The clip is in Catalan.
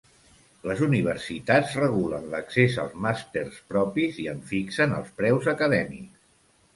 Les universitats regulen l'accés als màsters propis i en fixen els preus acadèmics.